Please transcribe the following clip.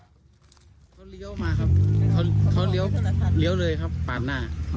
เขาเลี้ยวมาครับเขาเลี้ยวเลยครับปาดหน้า